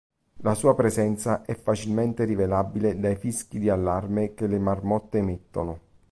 La sua presenza è facilmente rilevabile dai fischi di allarme che le marmotte emettono.